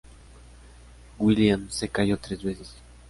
Williams se casó tres veces.